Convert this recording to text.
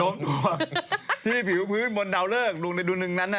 โน้มห่วงที่ผิวพื้นบนดาวเลิกดวงในดวงนึงนั้น